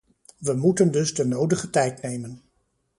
We moeten dus de nodige tijd nemen.